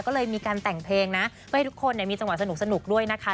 ก็เลยมีการแต่งเพลงนะเพื่อให้ทุกคนมีจังหวะสนุกด้วยนะคะ